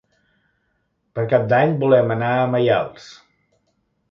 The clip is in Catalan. Per Cap d'Any volem anar a Maials.